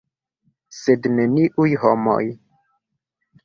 Sed neniuj homoj.